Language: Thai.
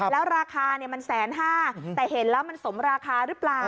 แล้วราคาเนี่ยมันแสนห้าแต่เห็นแล้วมันสมราคาหรือเปล่า